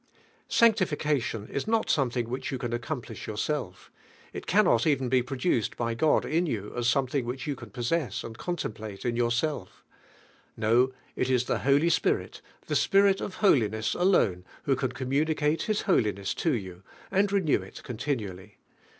Saiii'iiiicaf ion is not something which you can accomplish yourself, ii < annof even be produced by find in you as some thins; which you m possess ami content plate in yourself. No, it is the Holy Spir it, this Spirit of holiness alone who ran communicate His holiness to yon and re new it continually.